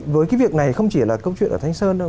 với cái việc này không chỉ là câu chuyện ở thanh sơn đâu